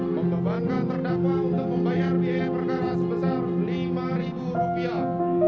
membebankan terdakwa untuk membayar biaya perkara sebesar lima rupiah